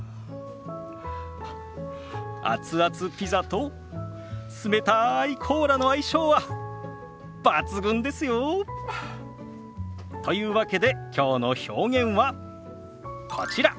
熱々ピザと冷たいコーラの相性は抜群ですよ。というわけできょうの表現はこちら。